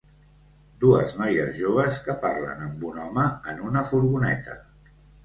Dues noies joves que parlen amb un home en una furgoneta.